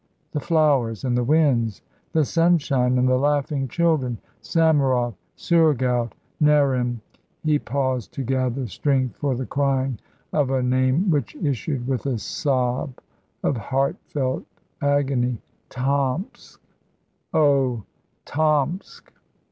The flowers and the winds, the sunshine and the laughing children. Samarof, Sourgout, Narym"; he paused to gather strength for the crying of a name which issued with a sob of heartfelt agony: "Tomsk oh, Tomsk!